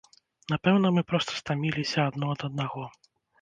Напэўна мы проста стаміліся адно ад аднаго.